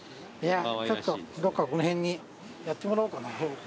ちょっとどっかこの辺にやってもらおうかな。